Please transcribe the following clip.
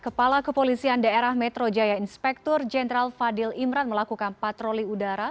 kepala kepolisian daerah metro jaya inspektur jenderal fadil imran melakukan patroli udara